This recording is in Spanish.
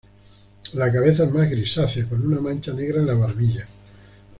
La cabeza es más grisácea, con una mancha negra en la barbilla.